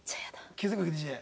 ９５２０円。